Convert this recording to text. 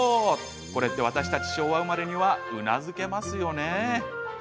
これって、私たち昭和生まれにはうなずけますよね。